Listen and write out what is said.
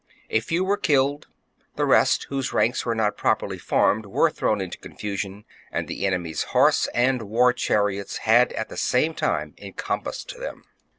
' A few were killed ; the rest, whose ranks were not properly formed, were thrown into confusion ; and the enemy's horse and war chariots had at the same time encompassed them.